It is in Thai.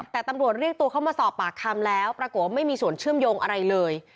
แต่ตำรวจเรียกตัวเข้ามาสอบปากคำแล้วปรากฏว่าไม่มีส่วนเชื่อมโยงอะไรเลย